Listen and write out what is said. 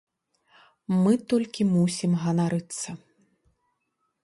Мы толькі мусім ганарыцца.